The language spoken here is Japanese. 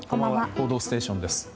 「報道ステーション」です。